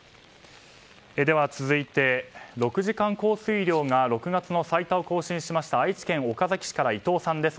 続いて、６時間降水量が６月の最多を更新しました愛知県岡崎市から伊藤さんです。